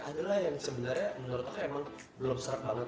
adalah yang sebenarnya menurut aku emang belum serap banget